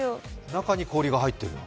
中に氷が入ってるの？